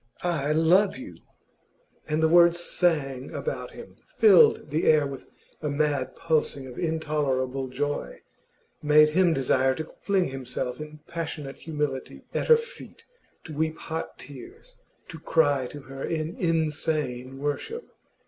'I love you!' And the words sang about him, filled the air with a mad pulsing of intolerable joy, made him desire to fling himself in passionate humility at her feet, to weep hot tears, to cry to her in insane worship.